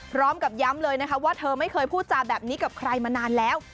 พร้อมกับย้ำเลยนะคะว่าเธอไม่เคยพูดจาแบบนี้กับใครมานานแล้ว